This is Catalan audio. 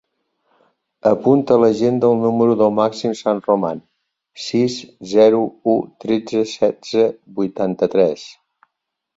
Apunta a l'agenda el número del Màxim Sanroman: sis, zero, u, tretze, setze, vuitanta-tres.